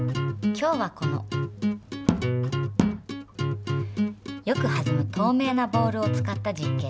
今日はこのよくはずむとうめいなボールを使った実験です。